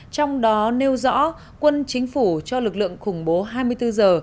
trong đó nêu rõ quân chính phủ cho lực lượng khủng bố hai mươi bốn giờ